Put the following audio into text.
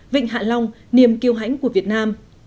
vịnh hạ long niềm kiêu hãnh của việt nam